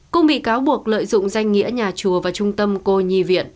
cung bị cáo buộc lợi dụng danh nghĩa nhà chùa và trung tâm cô nhi viện